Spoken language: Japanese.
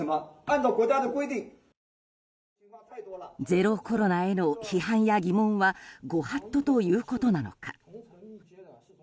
ゼロコロナへの批判や疑問はご法度ということなのか。